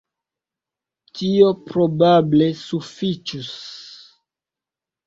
Tio probable sufiĉus.